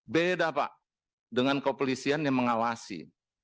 beda pak dengan kepolisian yang mengawasi